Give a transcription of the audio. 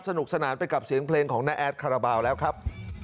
สนุกสนานไปกับเสียงเพลงของน้าแอดคาราบาลแล้วครับ